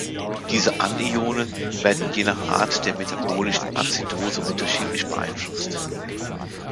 Diese Anionen werden je nach Art der metabolischen Azidose unterschiedlich beeinflusst.